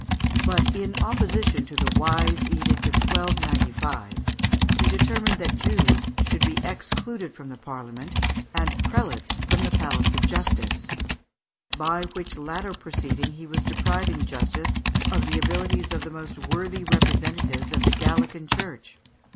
But in opposition to the wise edict of 1295, he determined that Jews should be excluded from Parliament, and prelates from the palace of justice; by which latter proceeding he was depriving justice of the abilities of the most worthy representatives of the Gallican Church.